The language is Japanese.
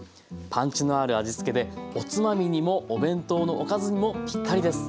パンチのある味付けでおつまみにもお弁当のおかずにもぴったりです。